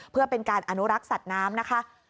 เพื่อเป็นการอนุรักษ์สัตว์น้ำนะคะ